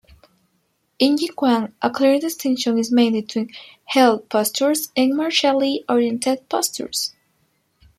In Yiquan, a clear distinction is made between "health" postures and "martially oriented" postures.